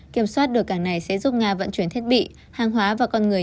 kiểm soát được cảng này sẽ giúp nga vận chuyển thiết bị hàng hóa và con người